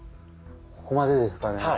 ここまでですかね。